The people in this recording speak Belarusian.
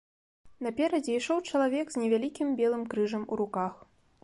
Наперадзе ішоў чалавек з невялікім белым крыжам у руках.